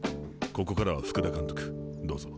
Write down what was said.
ここからは福田監督どうぞ。